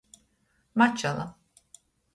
Mačala.